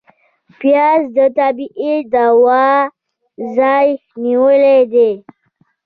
پیاز د طبعي دوا ځای نیولی دی